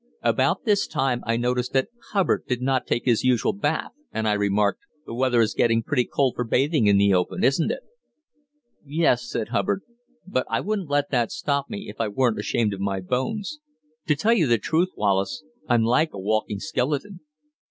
About this time I noticed that Hubbard did not take his usual bath, and I remarked: "The weather is getting pretty cold for bathing in the open, isn't it?" "Yes," said Hubbard; "but I wouldn't let that stop me if I weren't ashamed of my bones. To tell you the truth, Wallace, I'm like a walking skeleton."